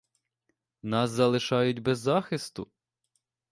Нас залишають без захисту?